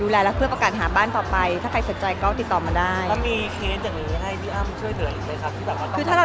ก็บอกว่าเพื่อนก็บอกว่าสับสนแล้วบางทิพย์เนี้ยเชียร์เธอทิพย์เนี้ยแบบ